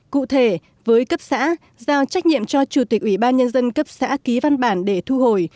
cụ thể với cấp xã giao trách nhiệm cho chủ tịch ủy ban nhân dân cấp xã ký văn bản để thu hồi